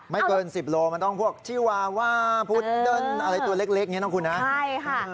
ไม่เกินสิบโลมันต้องพวกอะไรตัวเล็กเล็กเนี้ยน้องคุณนะใช่ค่ะ